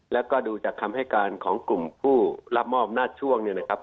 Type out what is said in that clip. และก็ดูจากคำให้การของกลุ่มผู้รับมอบหน้าช่วง